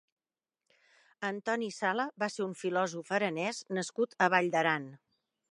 Antoni Sala va ser un filòsof aranès nascut a Vall d’Aran.